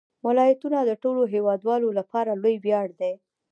ولایتونه د ټولو هیوادوالو لپاره لوی ویاړ دی.